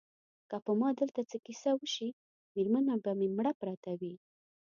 که په ما دلته څه کیسه وشي مېرمنه به مې مړه پرته وي.